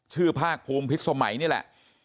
ภาคภูมิพิษสมัยนี่แหละ